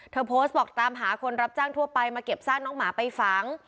โพสต์บอกตามหาคนรับจ้างทั่วไปมาเก็บซากน้องหมาไปฝัง